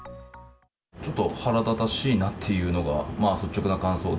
ちょっと腹立たしいなっていうのが、率直な感想で。